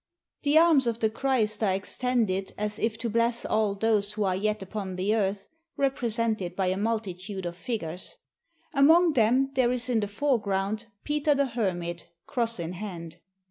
The arms of the Christ are extended as if to bless all those who are yet upon the earth, represented by a multitude of figures. Among them there is in the foreground Peter the Hermit, cross in hand.